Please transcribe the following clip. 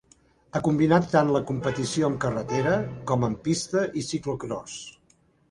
Ha combinat tant la competició en carretera, com en pista i ciclocròs.